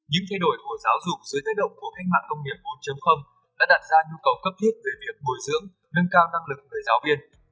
những thay đổi của giáo dục dưới thái động của khách mạng công nghiệp bốn đã đặt ra nhu cầu cấp thiết về việc bồi dưỡng nâng cao tăng lực với giáo viên